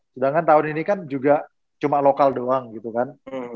sedangkan tahun ini kan juga cuma lokal doang gitu kan